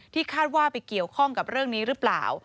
คาดว่าไปเกี่ยวข้องกับเรื่องนี้หรือเปล่า